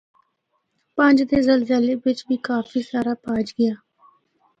پنج دے زلزلے بچ بھی کافی سارا بہج گیا۔